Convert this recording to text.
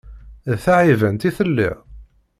D taɛibant i telliḍ?